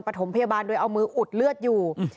ถมพยาบาลโดยเอามืออุดเลือดอยู่